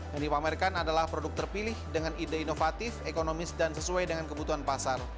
yang dipamerkan adalah produk terpilih dengan ide inovatif ekonomis dan sesuai dengan kebutuhan pasar